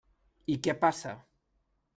I què passa?